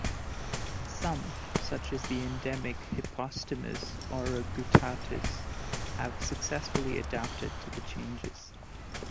Some, such as the endemic "Hypostomus auroguttatus", have successfully adapted to the changes.